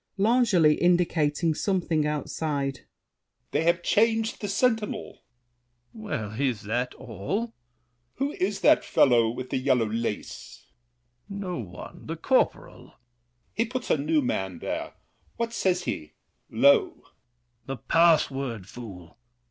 L'ANGELY (indicating something outside). They have changed the sentinel! THE KING. Well, is that all? L'ANGELY. Who is that fellow with The yellow lace? THE KING. No one—the corporal! L'ANGELY. He puts a new man there. What says he, low? THE KING. The password! Fool!